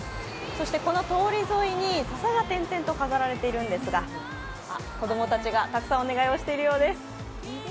そしてこの通り沿いに笹が点々と飾られているんですが、子供たちがたくさんお願い事をしているようです。